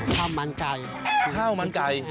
ข้าวมันไก่ข้าวมันไก่